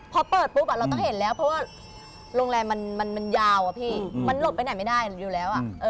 พอเปิดปุ๊บเราต้องเห็นแล้วเพราะว่าโรงแรมมันยาวอะพี่มันหลบไปไหนไม่ได้อยู่แล้ว